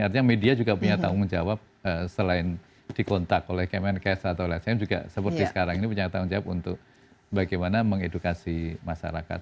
artinya media juga punya tanggung jawab selain dikontak oleh kemenkes atau lsm juga seperti sekarang ini punya tanggung jawab untuk bagaimana mengedukasi masyarakat